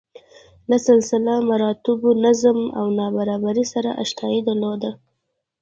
له سلسله مراتبو، نظم او نابرابرۍ سره اشنايي درلوده.